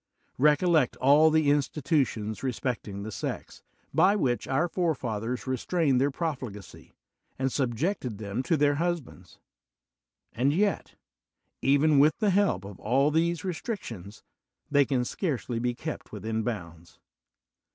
Recollect all the institutions respecting the sex, by which our forefathers restrained their profligacy and sub jected them to their husbands; and yet, even with the help of all these restrictions, they can scarcely be kept within bounds.